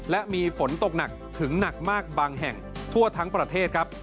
และมีฝนตกหนักถึงหนักมากบางแห่งทั่วทั้งประเทศครับ